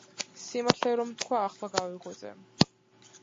სიმართლე რომ ვთქვა, ახლა გავიღვიძე.